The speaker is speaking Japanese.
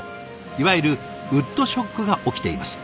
いわゆるウッドショックが起きています。